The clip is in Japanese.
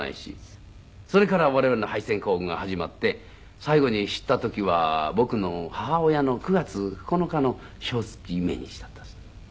それから我々の敗戦行軍が始まって最後に知った時は僕の母親の９月９日の祥月命日だったんです。